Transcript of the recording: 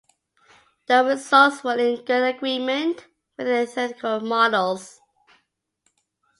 The results were in good agreement with theoretical models.